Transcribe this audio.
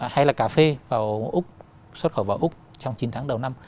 hay là cà phê xuất khẩu vào úc trong chín tháng đầu năm